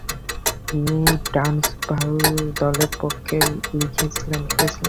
তিনি ট্রান্সভাল দলের পক্ষে খেলেছিলেন।